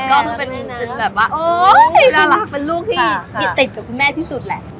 ก็คือเป็นแบบว่าโอ๊ยน่ารักเป็นลูกที่ติดกับคุณแม่ที่สุดแหละ